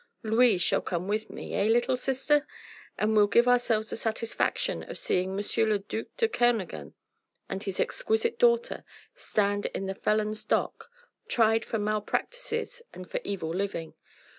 Louise shall come with me eh, little sister? and we'll give ourselves the satisfaction of seeing M. le duc de Kernogan and his exquisite daughter stand in the felon's dock tried for malpractices and for evil living.